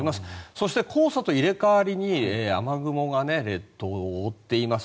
そして、黄砂と入れ替わりに雨雲が列島を覆っています。